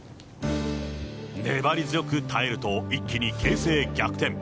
粘り強く耐えると、一気に形勢逆転。